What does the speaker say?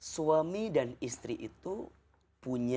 suami dan istri itu